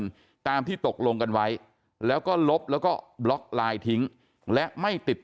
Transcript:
ตามที่ตกลงกันไว้แล้วก็ลบแล้วก็บล็อกไลน์ทิ้งและไม่ติด